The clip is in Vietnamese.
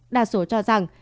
đa số cho rằng